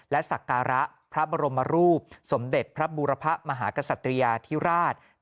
และสักการะพระบรมรูปสมเด็จพระบูรพะมหากษัตริยาธิราช